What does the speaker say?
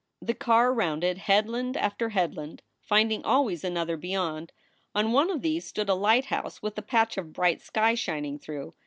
The car rounded headland after headland, finding always another beyond. On one of these stood a lighthouse with a patch of bright sky shining through.